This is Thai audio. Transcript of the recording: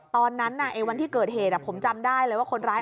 ตอนนั้นวันที่เกิดเหตุผมจำได้เลยว่าคนร้าย